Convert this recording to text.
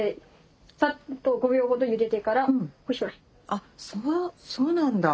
あっそうなんだ。